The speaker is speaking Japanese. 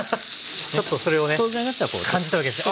ちょっとそれをね感じ取るわけですね。